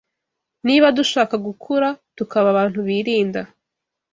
niba dushaka gukura tukaba abantu birinda